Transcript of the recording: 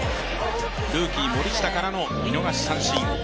ルーキー・森下からの見逃しの三振。